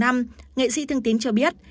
nghệ sĩ thương tín cho biết